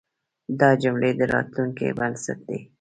دا جملې د راتلونکي بنسټ دی.